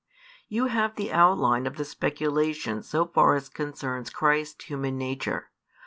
You have the outline of the speculation so far as concerns Christ's human nature.